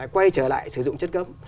quay trở lại sử dụng chất cấm